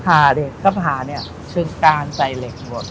ขาเนี่ยข้าขาเนี่ยชึงกลางใส่เหล็กหมด